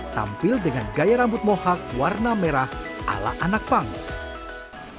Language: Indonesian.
tampil dengan gaya rambut mohak warna merah ala anak pangis